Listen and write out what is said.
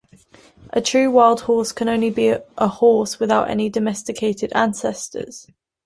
A true wild horse can only be a horse without any domesticated ancestors.